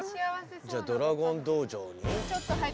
じゃあドラゴン道場に。